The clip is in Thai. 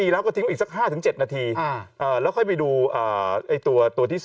แล้วถึงไป๔